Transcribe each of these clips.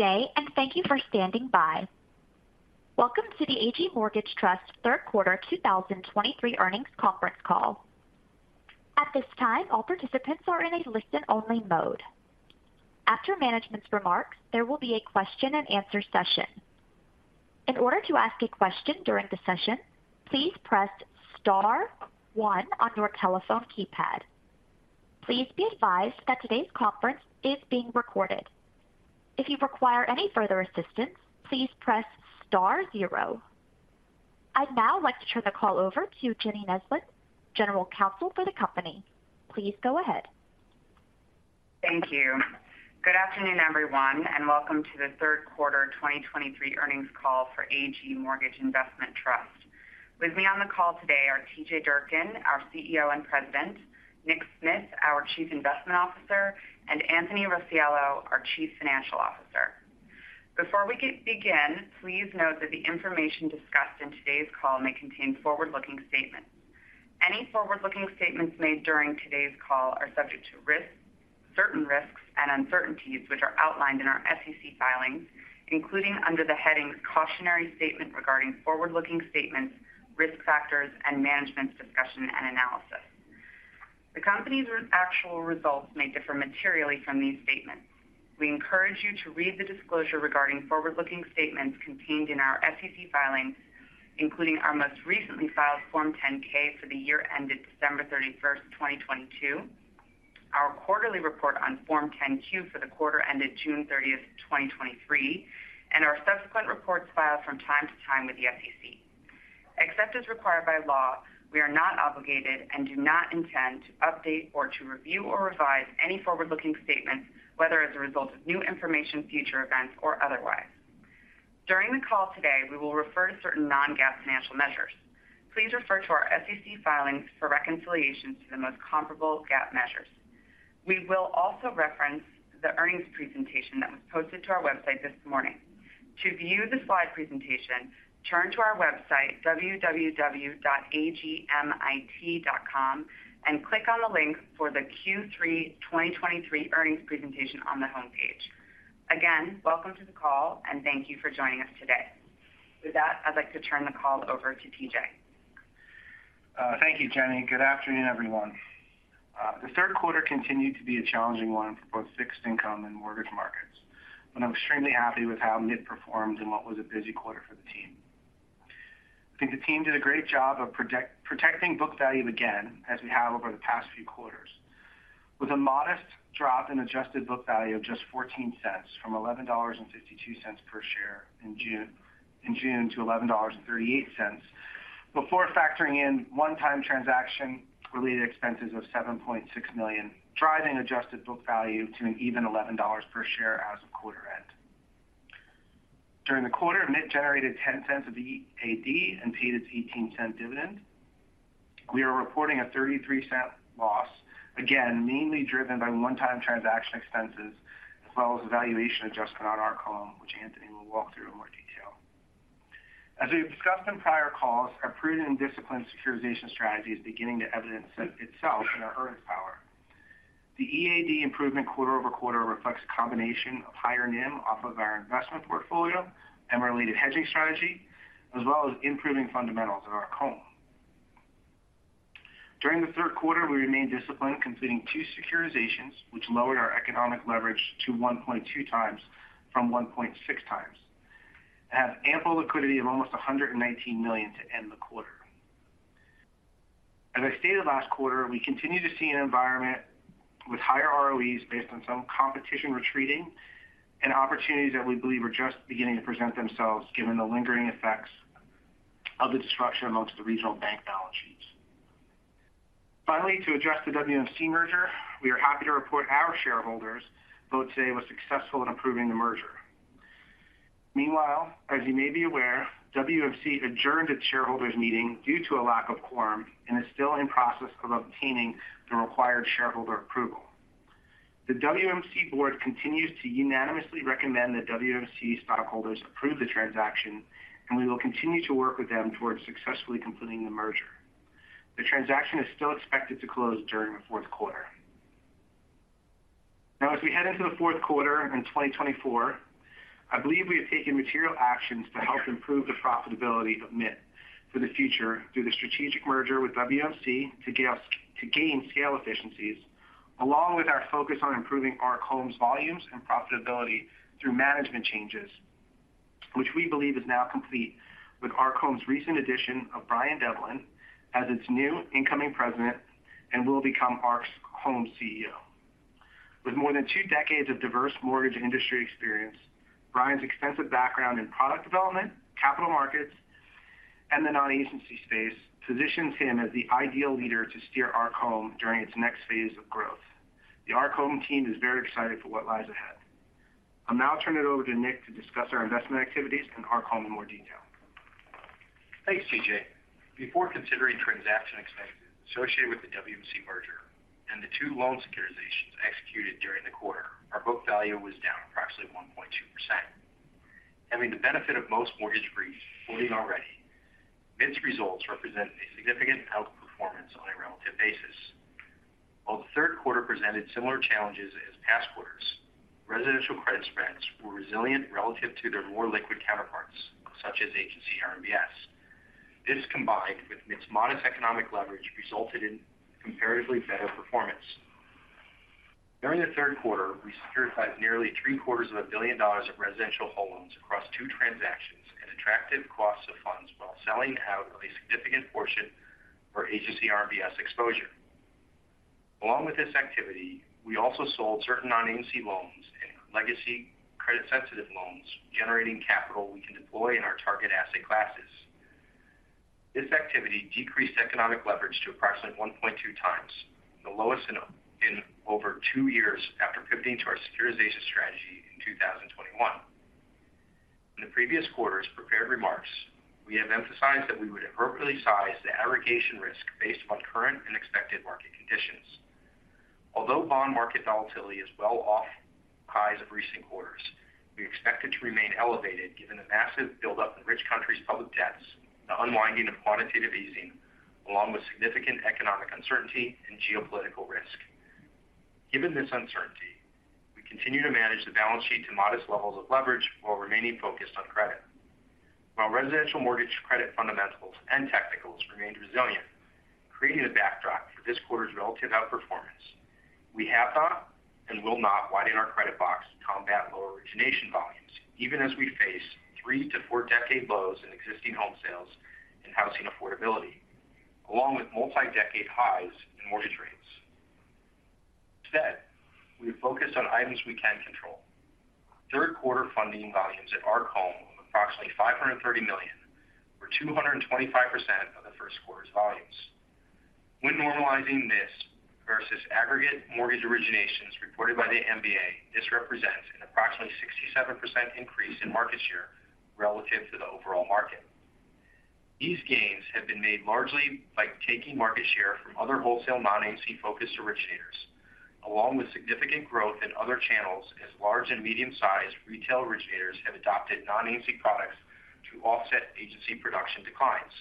Good day, and thank you for standing by. Welcome to the AG Mortgage Trust third quarter 2023 earnings conference call. At this time, all participants are in a listen-only mode. After management's remarks, there will be a question-and-answer session. In order to ask a question during the session, please press star one on your telephone keypad. Please be advised that today's conference is being recorded. If you require any further assistance, please press star zero. I'd now like to turn the call over to Jenny Neslin, General Counsel for the company. Please go ahead. Thank you. Good afternoon, everyone, and welcome to the third quarter 2023 earnings call for AG Mortgage Investment Trust. With me on the call today are T.J. Durkin, our CEO and President, Nick Smith, our Chief Investment Officer, and Anthony Rossiello, our Chief Financial Officer. Before we begin, please note that the information discussed in today's call may contain forward-looking statements. Any forward-looking statements made during today's call are subject to risks, certain risks and uncertainties, which are outlined in our SEC filings, including under the headings: Cautionary Statement regarding forward-looking statements, Risk Factors, and Management's Discussion and Analysis. The company's actual results may differ materially from these statements. We encourage you to read the disclosure regarding forward-looking statements contained in our SEC filings, including our most recently filed Form 10-K for the year ended December 31st, 2022, our quarterly report on Form 10-Q for the quarter ended June 30th, 2023, and our subsequent reports filed from time to time with the SEC. Except as required by law, we are not obligated and do not intend to update or to review or revise any forward-looking statements, whether as a result of new information, future events, or otherwise. During the call today, we will refer to certain non-GAAP financial measures. Please refer to our SEC filings for reconciliations to the most comparable GAAP measures. We will also reference the earnings presentation that was posted to our website this morning. To view the slide presentation, turn to our website, www.agmit.com, and click on the link for the Q3 2023 earnings presentation on the homepage. Again, welcome to the call, and thank you for joining us today. With that, I'd like to turn the call over to T.J. Thank you, Jenny. Good afternoon, everyone. The third quarter continued to be a challenging one for both fixed income and mortgage markets, but I'm extremely happy with how MITT performed in what was a busy quarter for the team. I think the team did a great job of protecting book value again, as we have over the past few quarters, with a modest drop in adjusted book value of just 14 cents from $11.52 per share in June to $11.38, before factoring in one-time transaction-related expenses of $7.6 million, driving adjusted book value to an even $11 per share as of quarter end. During the quarter, MITT generated 10 cents of EAD and paid its 18-cent dividend. We are reporting a $0.33 loss, again, mainly driven by one-time transaction expenses, as well as a valuation adjustment on Arc Home, which Anthony will walk through in more detail. As we've discussed in prior calls, our prudent and disciplined securitization strategy is beginning to evidence itself in our earnings power. The EAD improvement quarter-over-quarter reflects a combination of higher NIM off of our investment portfolio and related hedging strategy, as well as improving fundamentals in Arc Home. During the third quarter, we remained disciplined, completing two securitizations, which lowered our economic leverage to 1.2 times from 1.6 times, and have ample liquidity of almost $119 million to end the quarter. As I stated last quarter, we continue to see an environment with higher ROEs based on some competition retreating and opportunities that we believe are just beginning to present themselves, given the lingering effects of the disruption amongst the regional bank balance sheets. Finally, to address the WMC merger, we are happy to report our shareholders vote today was successful in approving the merger. Meanwhile, as you may be aware, WMC adjourned its shareholders meeting due to a lack of quorum and is still in process of obtaining the required shareholder approval. The WMC board continues to unanimously recommend that WMC stockholders approve the transaction, and we will continue to work with them towards successfully completing the merger. The transaction is still expected to close during the fourth quarter. Now, as we head into the fourth quarter in 2024, I believe we have taken material actions to help improve the profitability of MITT for the future through the strategic merger with WMC to gain scale efficiencies, along with our focus on improving Arc Home's volumes and profitability through management changes, which we believe is now complete with Arc Home's recent addition of Brian Devlin as its new incoming president and will become Arc Home's CEO. With more than two decades of diverse mortgage industry experience, Brian's extensive background in product development, capital markets, and the non-agency space positions him as the ideal leader to steer Arc Home during its next phase of growth. The Arc Home team is very excited for what lies ahead. I'll now turn it over to Nick to discuss our investment activities and Arc Home in more detail. Thanks, T.J. Before considering transaction expenses associated with the WMC merger and the two loan securitizations executed during the quarter, our book value was down approximately 1.2%. Having the benefit of most mortgage rates falling already. These results represent a significant outperformance on a relative basis. While the third quarter presented similar challenges as past quarters, residential credit spreads were resilient relative to their more liquid counterparts, such as agency RMBS. This, combined with MITT's modest economic leverage, resulted in comparatively better performance. During the third quarter, we securitized nearly $750 million of residential home loans across two transactions at attractive costs of funds while selling out a significant portion for agency RMBS exposure. Along with this activity, we also sold certain non-agency loans and legacy credit-sensitive loans, generating capital we can deploy in our target asset classes. This activity decreased economic leverage to approximately 1.2 times, the lowest in over two years after pivoting to our securitization strategy in 2021. In the previous quarter's prepared remarks, we have emphasized that we would appropriately size the aggregation risk based upon current and expected market conditions. Although bond market volatility is well off highs of recent quarters, we expect it to remain elevated given the massive buildup in rich countries' public debts, the unwinding of quantitative easing, along with significant economic uncertainty and geopolitical risk. Given this uncertainty, we continue to manage the balance sheet to modest levels of leverage while remaining focused on credit. While residential mortgage credit fundamentals and technicals remained resilient, creating a backdrop for this quarter's relative outperformance, we have not and will not widen our credit box to combat lower origination volumes, even as we face 3- to 4-decade lows in existing home sales and housing affordability, along with multi-decade highs in mortgage rates. Instead, we have focused on items we can control. Third quarter funding volumes at Arc Home of approximately $530 million, or 225% of the first quarter's volumes. When normalizing this versus aggregate mortgage originations reported by the MBA, this represents an approximately 67% increase in market share relative to the overall market. These gains have been made largely by taking market share from other wholesale non-agency-focused originators, along with significant growth in other channels as large and medium-sized retail originators have adopted non-agency products to offset agency production declines.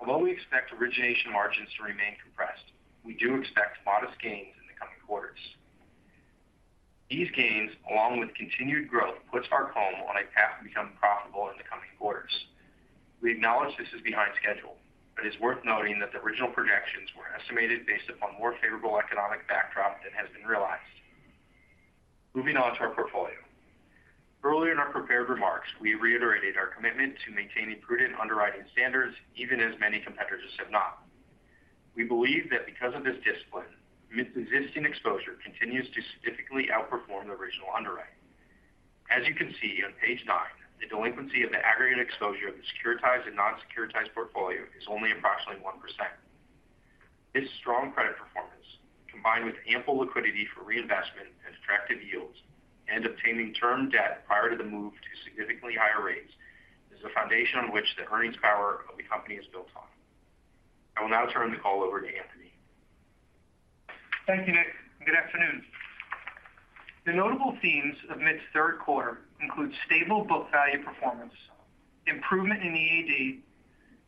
Although we expect origination margins to remain compressed, we do expect modest gains in the coming quarters. These gains, along with continued growth, puts Arc Home on a path to become profitable in the coming quarters. We acknowledge this is behind schedule, but it's worth noting that the original projections were estimated based upon a more favorable economic backdrop than has been realized. Moving on to our portfolio. Earlier in our prepared remarks, we reiterated our commitment to maintaining prudent underwriting standards, even as many competitors have not. We believe that because of this discipline, MITT's existing exposure continues to significantly outperform the original underwriting. As you can see on page nine, the delinquency of the aggregate exposure of the securitized and non-securitized portfolio is only approximately 1%. This strong credit performance, combined with ample liquidity for reinvestment and attractive yields and obtaining term debt prior to the move to significantly higher rates, is the foundation on which the earnings power of the company is built on. I will now turn the call over to Anthony. Thank you, Nick. Good afternoon. The notable themes of MITT's third quarter include stable book value performance, improvement in EAD,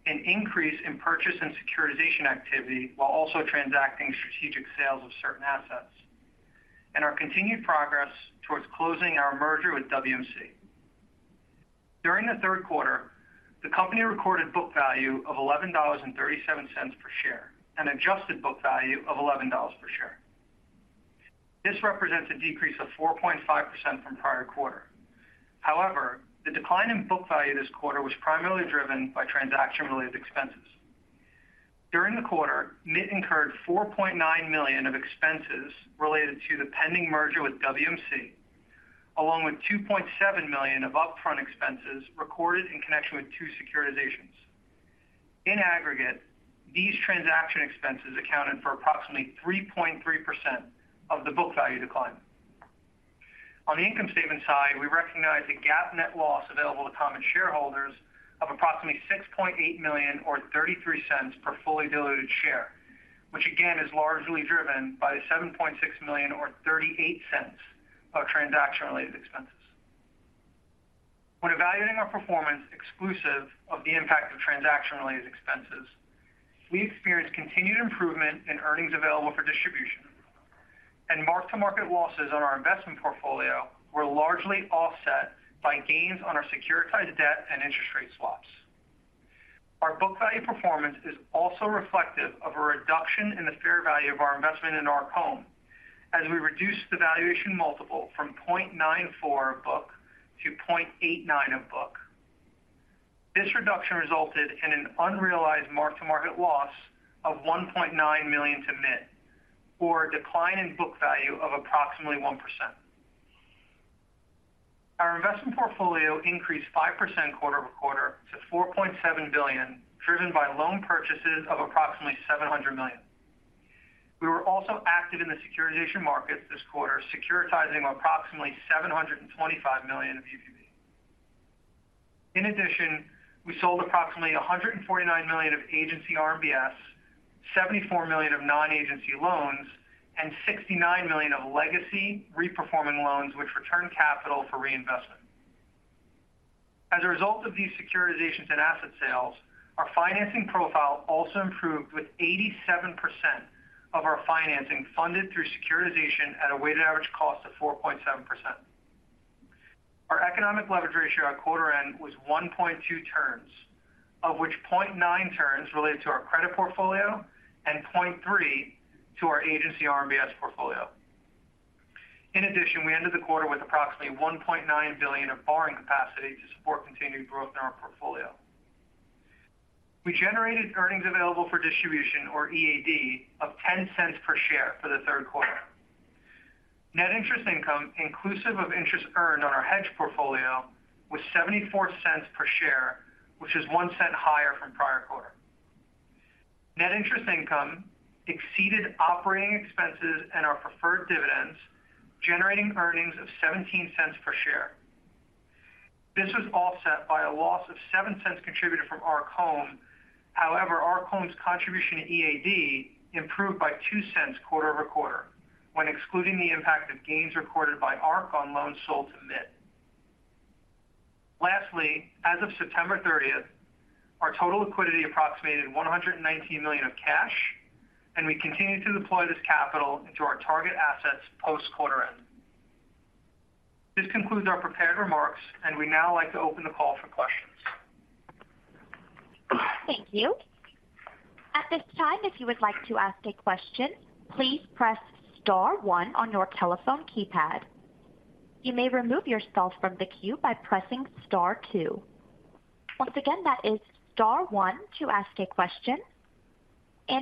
an increase in purchase and securitization activity, while also transacting strategic sales of certain assets, and our continued progress towards closing our merger with WMC. During the third quarter, the company recorded book value of $11.37 per share and adjusted book value of $11 per share. This represents a decrease of 4.5% from prior quarter. However, the decline in book value this quarter was primarily driven by transaction-related expenses. During the quarter, MITT incurred $4.9 million of expenses related to the pending merger with WMC, along with $2.7 million of upfront expenses recorded in connection with two securitizations. In aggregate, these transaction expenses accounted for approximately 3.3% of the book value decline. On the income statement side, we recognize a GAAP net loss available to common shareholders of approximately $6.8 million, or $0.33 per fully diluted share, which again, is largely driven by the $7.6 million or $0.38 of transaction-related expenses. When evaluating our performance exclusive of the impact of transaction-related expenses, we experienced continued improvement in earnings available for distribution, and mark-to-market losses on our investment portfolio were largely offset by gains on our securitized debt and interest rate swaps. Our book value performance is also reflective of a reduction in the fair value of our investment in Arc Home, as we reduced the valuation multiple from 0.94 book to 0.89 of book. This reduction resulted in an unrealized mark-to-market loss of $1.9 million to MITT, or a decline in book value of approximately 1%. Our investment portfolio increased 5% quarter-over-quarter to $4.7 billion, driven by loan purchases of approximately $700 million. We were also active in the securitization markets this quarter, securitizing approximately $725 million of UPB. In addition, we sold approximately $149 million of agency RMBS, $74 million of non-agency loans and $69 million of legacy reperforming loans, which returned capital for reinvestment. As a result of these securitizations and asset sales, our financing profile also improved, with 87% of our financing funded through securitization at a weighted average cost of 4.7%. Our economic leverage ratio at quarter end was 1.2 turns, of which 0.9 turns related to our credit portfolio and 0.3 to our agency RMBS portfolio. In addition, we ended the quarter with approximately $1.9 billion of borrowing capacity to support continued growth in our portfolio. We generated earnings available for distribution, or EAD, of $0.10 per share for the third quarter. Net interest income, inclusive of interest earned on our hedge portfolio, was $0.74 per share, which is $0.01 higher from prior quarter. Net interest income exceeded operating expenses and our preferred dividends, generating earnings of $0.17 per share. This was offset by a loss of $0.07 contributed from Arc Home. However, Arc Home's contribution to EAD improved by $0.02 quarter-over-quarter, when excluding the impact of gains recorded by Arc on loans sold to MITT. Lastly, as of September thirtieth, our total liquidity approximated $119 million of cash, and we continued to deploy this capital into our target assets post-quarter end. This concludes our prepared remarks, and we'd now like to open the call for questions. Thank you. At this time, if you would like to ask a question, please press star one on your telephone keypad. You may remove yourself from the queue by pressing star two. Once again, that is star one to ask a question.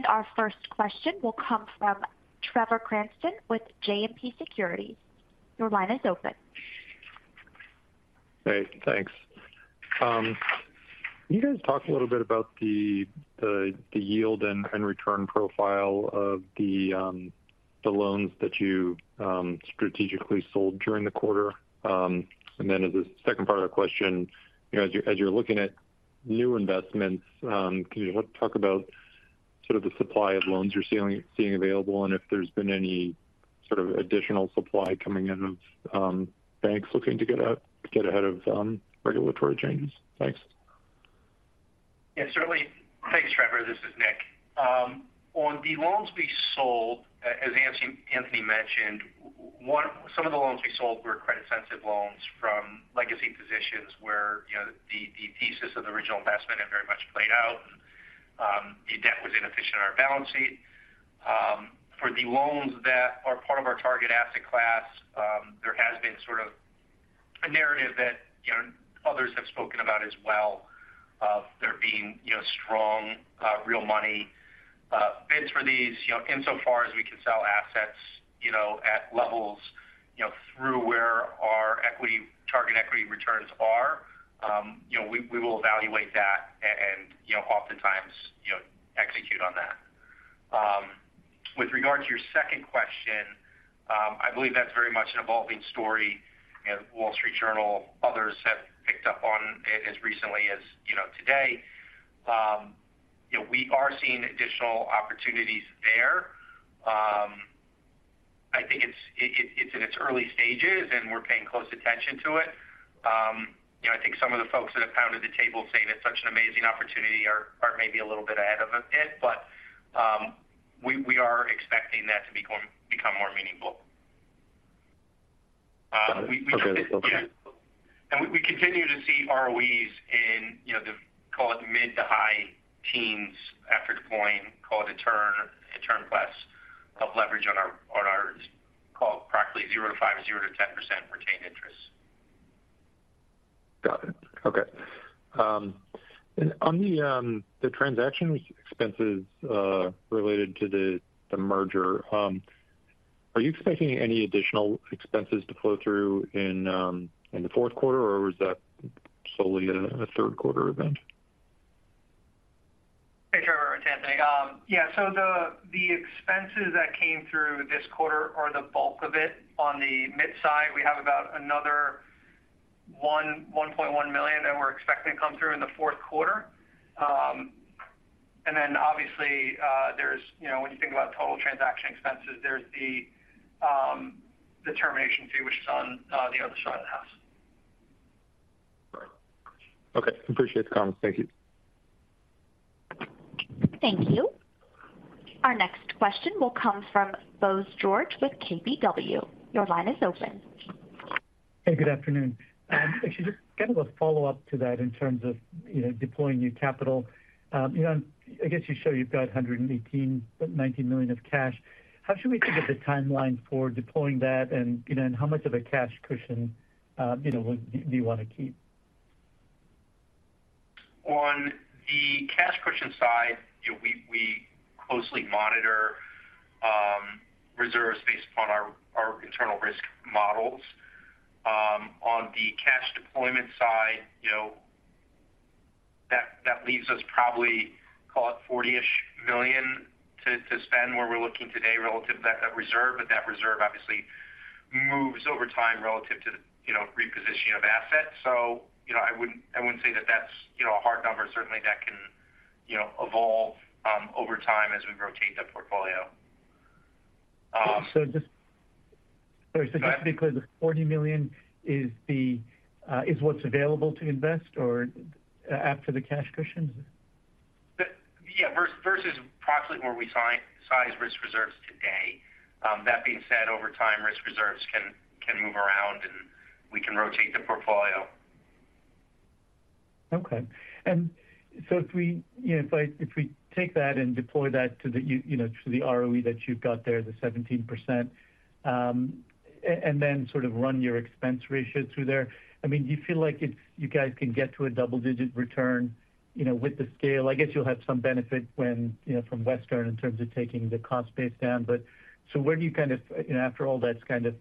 Our first question will come from Trevor Cranston with JMP Securities. Your line is open. Hey, thanks. Can you guys talk a little bit about the yield and return profile of the loans that you strategically sold during the quarter? And then as a second part of the question, you know, as you're looking at new investments, can you talk about sort of the supply of loans you're seeing available, and if there's been any sort of additional supply coming in of banks looking to get ahead of regulatory changes? Thanks. Yeah, certainly. Thanks, Trevor. This is Nick. On the loans we sold, as Anthony, Anthony mentioned, some of the loans we sold were credit-sensitive loans from legacy positions where, you know, the, the thesis of the original investment had very much played out, and, the debt was inefficient on our balance sheet. For the loans that are part of our target asset class, there has been sort of a narrative that, you know, others have spoken about as well, of there being, you know, strong, real money, bids for these. You know, insofar as we can sell assets, you know, at levels, you know, through where our equity-target equity returns are, you know, we, we will evaluate that and, you know, oftentimes, you know, execute on that. With regard to your second question, I believe that's very much an evolving story, and Wall Street Journal, others have picked up on it as recently as, you know, today. You know, we are seeing additional opportunities there. I think it's in its early stages, and we're paying close attention to it. You know, I think some of the folks that have pounded the table saying it's such an amazing opportunity are maybe a little bit ahead of it, but we are expecting that to become more meaningful. We, we- Okay. Yeah. We continue to see ROEs in, you know, the call it mid- to high teens after deploying call it a turn a turn plus of leverage on our call it practically 0-5, 0-10% for retained interest. Got it. Okay. And on the transaction expenses related to the merger, are you expecting any additional expenses to flow through in the fourth quarter, or was that solely a third quarter event? Hey, Trevor, it's Anthony. Yeah, so the expenses that came through this quarter are the bulk of it. On the MSR side, we have about another $1.1 million that we're expecting to come through in the fourth quarter. And then obviously, there's, you know, when you think about total transaction expenses, there's the termination fee, which is on the other side of the house. Okay. Appreciate the comment. Thank you. Thank you. Our next question will come from Bose George with KBW. Your line is open. Hey, good afternoon. Actually, just kind of a follow-up to that in terms of, you know, deploying new capital. You know, I guess you show you've got $118.90 million of cash. How should we think of the timeline for deploying that, and, you know, and how much of a cash cushion, you know, would you want to keep? On the cash cushion side, you know, we closely monitor reserves based upon our internal risk models. On the cash deployment side, you know, that leaves us probably, call it $40-ish million to spend, where we're looking today relative to that reserve. But that reserve obviously-... moves over time relative to the, you know, repositioning of assets. So, you know, I wouldn't, I wouldn't say that that's, you know, a hard number. Certainly, that can, you know, evolve over time as we rotate the portfolio. So just- Go ahead. Just because the $40 million is what's available to invest or after the cash cushions? Yeah, versus approximately where we size risk reserves today. That being said, over time, risk reserves can move around, and we can rotate the portfolio. Okay. And so if we, you know, if we take that and deploy that to the you know, to the ROE that you've got there, the 17%, and then sort of run your expense ratio through there. I mean, do you feel like it you guys can get to a double-digit return, you know, with the scale? I guess you'll have some benefit when, you know, from Western in terms of taking the cost base down. But so where do you kind of, you know, after all that's kind of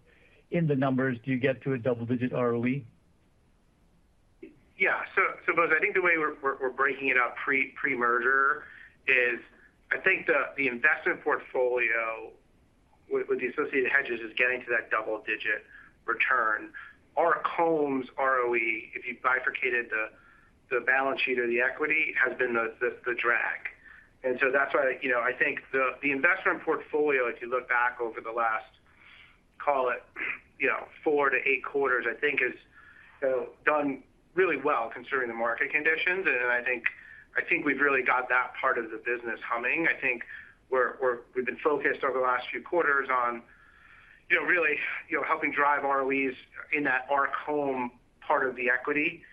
in the numbers, do you get to a double-digit ROE? Yeah. So, Bose, I think the way we're breaking it out pre-merger is I think the investment portfolio with the associated hedges is getting to that double-digit return. Arc Home's ROE, if you bifurcated the balance sheet or the equity, has been the drag. And so that's why, you know, I think the investment portfolio, if you look back over the last, call it, you know, 4-8 quarters, I think has, you know, done really well considering the market conditions. And I think we've really got that part of the business humming. I think we've been focused over the last few quarters on, you know, really, you know, helping drive ROEs in that Arc Home part of the equity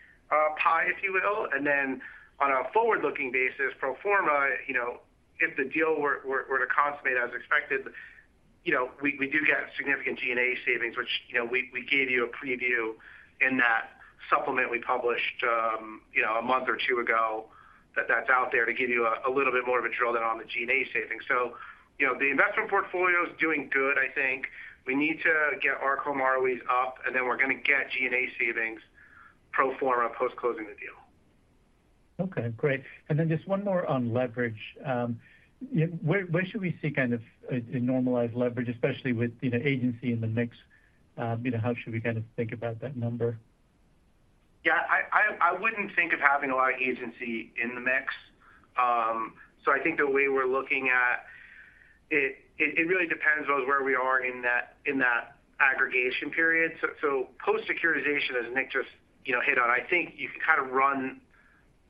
pie, if you will. And then on a forward-looking basis, pro forma, you know, if the deal were to consummate as expected, you know, we do get significant G&A savings, which, you know, we gave you a preview in that supplement we published, you know, a month or two ago. That's out there to give you a little bit more of a drill down on the G&A savings. So, you know, the investment portfolio is doing good, I think. We need to get Arc Home ROEs up, and then we're going to get G&A savings pro forma post-closing the deal. Okay, great. And then just one more on leverage. Yeah, where should we see kind of a normalized leverage, especially with, you know, agency in the mix? You know, how should we kind of think about that number? Yeah, I wouldn't think of having a lot of agency in the mix. So I think the way we're looking at it, it really depends on where we are in that aggregation period. So post-securitization, as Nick just, you know, hit on, I think you can kind of run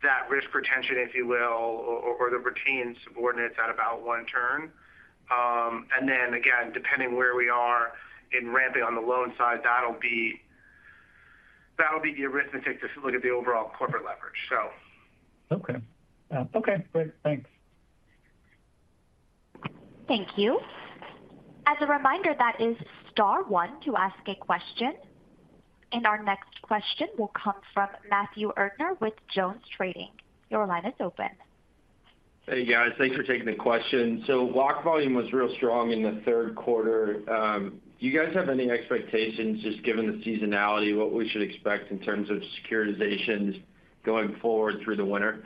that risk retention, if you will, or the retained subordinates at about one turn. And then again, depending where we are in ramping on the loan side, that'll be the arithmetic to look at the overall corporate leverage, so. Okay. Okay, great. Thanks. Thank you. As a reminder, that is star one to ask a question. Our next question will come from Matthew Erdner with JonesTrading. Your line is open. Hey, guys. Thanks for taking the question. So whole volume was real strong in the third quarter. Do you guys have any expectations, just given the seasonality, what we should expect in terms of securitizations going forward through the winter?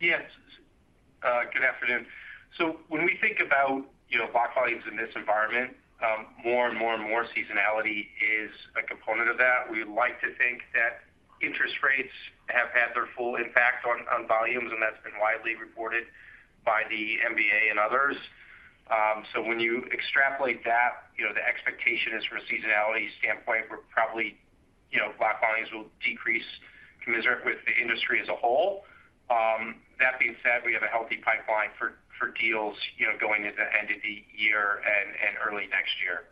Yes. Good afternoon. So when we think about, you know, block volumes in this environment, more and more and more seasonality is a component of that. We like to think that interest rates have had their full impact on volumes, and that's been widely reported by the MBA and others. So when you extrapolate that, you know, the expectation is from a seasonality standpoint, we're probably, you know, block volumes will decrease commensurate with the industry as a whole. That being said, we have a healthy pipeline for deals, you know, going into the end of the year and early next year.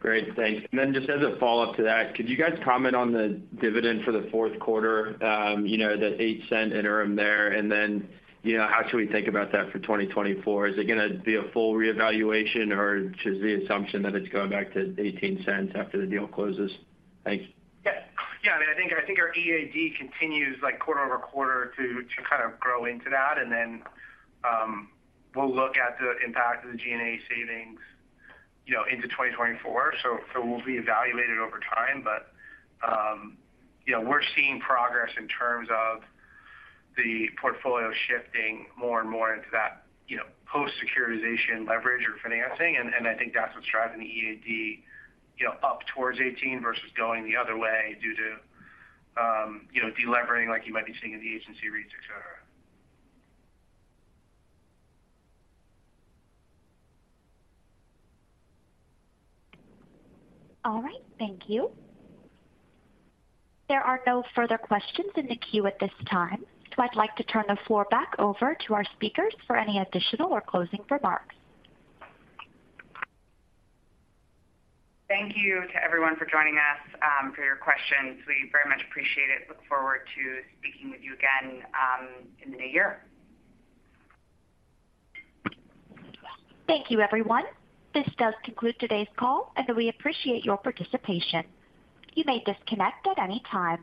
Great, thanks. And then just as a follow-up to that, could you guys comment on the dividend for the fourth quarter? You know, the $0.08 interim there, and then, you know, how should we think about that for 2024? Is it gonna be a full reevaluation, or just the assumption that it's going back to $0.18 after the deal closes? Thanks. Yeah. Yeah, I mean, I think, I think our EAD continues, like, quarter over quarter to, to kind of grow into that, and then, we'll look at the impact of the G&A savings, you know, into 2024. So, so we'll reevaluate it over time. But, you know, we're seeing progress in terms of the portfolio shifting more and more into that, you know, post-securitization leverage or financing. And, and I think that's what's driving the EAD, you know, up towards 18 versus going the other way due to, you know, delevering like you might be seeing in the agency REITs, et cetera. All right. Thank you. There are no further questions in the queue at this time, so I'd like to turn the floor back over to our speakers for any additional or closing remarks. Thank you to everyone for joining us, for your questions. We very much appreciate it. Look forward to speaking with you again, in the new year. Thank you, everyone. This does conclude today's call, and we appreciate your participation. You may disconnect at any time.